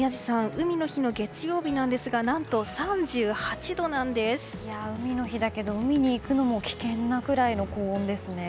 海の日の月曜日なんですが海の日だけど、海に行くのも危険なくらいの高温ですね。